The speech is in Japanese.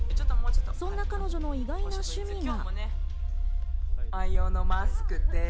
そんな彼女の意外な趣味が。